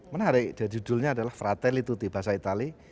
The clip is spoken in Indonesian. menarik dan judulnya adalah fratelli tutti bahasa itali